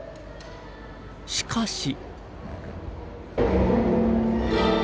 しかし。